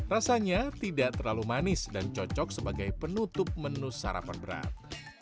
rasanya tidak terlalu manis dan cocok sebagai penutup menu sarapan berat